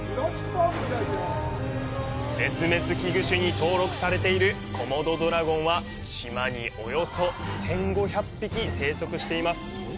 絶滅危惧種に登録されているコモドドラゴンは、島におよそ１５００匹、生息しています。